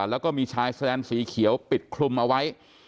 แล้วก็มีชายแลนสีเขียวปิดคลุมเอาไว้